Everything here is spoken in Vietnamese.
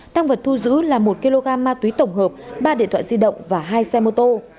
tăng vật thu giữ là một kg ma túy tổng hợp ba điện thoại di động và hai xe mô tô